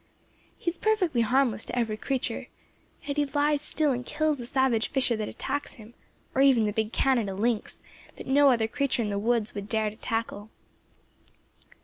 He is perfectly harmless to every creature; yet he lies still and kills the savage fisher that attacks him, or even the big Canada lynx, that no other creature in the woods would dare to tackle.